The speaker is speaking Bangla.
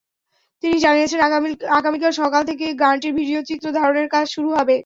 তিনি জানিয়েছেন, আগামীকাল সকাল থেকে গানটির ভিডিওচিত্র ধারণের কাজ শুরু হবে।